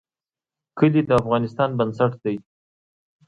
کلي د افغانستان بنسټ دی